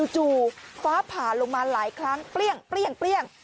ฟ้าผ่าลงมาหลายครั้งเปรี้ยง